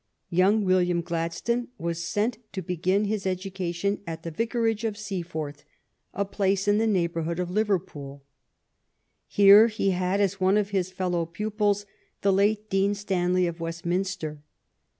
Young William Gladstone was sent to begin his education at the vicarage of Seaforth, a place in the neighborhood of Liverpool. Here he had as one of his fellow pupils the late Dean Stanley, of Westminster.